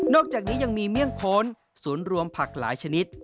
อกจากนี้ยังมีเมี่ยงโค้นศูนย์รวมผักหลายชนิด